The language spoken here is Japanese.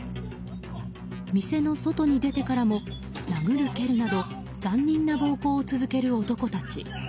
店の外に出てからも殴る蹴るなど残忍な暴行を続ける男たち。